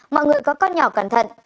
mọi người có con nhỏ cẩn thận